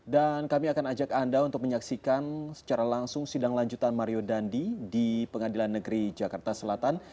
dan kami akan ajak anda untuk menyaksikan secara langsung sidang lanjutan mario dandi di pengadilan negeri jakarta selatan